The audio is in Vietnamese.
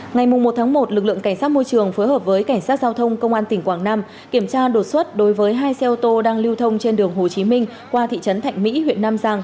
ngày một một lực lượng cảnh sát môi trường phối hợp với cảnh sát giao thông công an tỉnh quảng nam kiểm tra đột xuất đối với hai xe ô tô đang lưu thông trên đường hồ chí minh qua thị trấn thạnh mỹ huyện nam giang